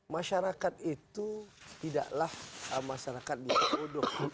masyarakat itu tidak lagi masyarakat yang bodoh